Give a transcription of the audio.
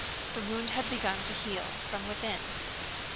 The wound had begun to heal from within.